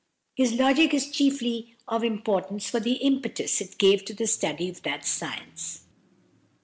His "Logic" is chiefly of importance for the impetus it gave to the study of that science.